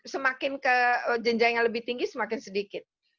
semakin ke jenjang yang lebih tinggi semakin sedikit